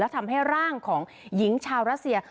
ทำให้ร่างของหญิงชาวรัสเซีย